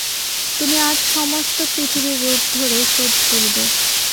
তুমি আজ সমস্ত পৃথিবীর রূপ ধরে শোধ তুলবে।